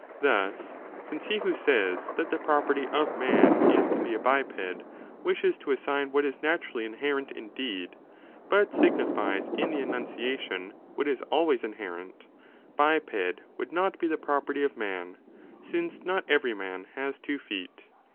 Thus, since he who says that the athing. property of man is to be a biped, wishes to assign what is naturally inherent indeed, but signifies in the entn ciation what is always inherent, biped would not be the property of man, since not every man has two feet.